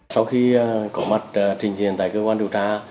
sau khi có mặt trình diện tại cơ quan điều tra